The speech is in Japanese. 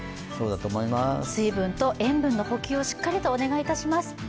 水分と塩分の補給をしっかりとお願いします。